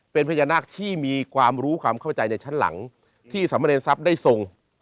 เป็นพญานาคที่มีความรู้ความเข้าใจในชั้นหลังที่สามเนรทรัพย์ได้ทรง